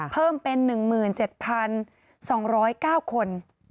เพิ่มเป็น๑๗๒๐๙คน